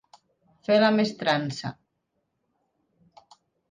Fer la mestrança.